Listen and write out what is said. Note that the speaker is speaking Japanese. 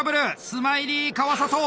スマイリー川里。